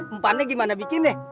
umpannya gimana bikin ya